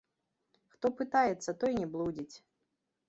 Хто пытаецца, той не блудзіць.